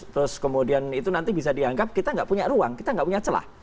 terus kemudian itu nanti bisa dianggap kita nggak punya ruang kita nggak punya celah